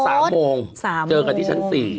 สัก๓โมงเจอกันที่ชั้น๔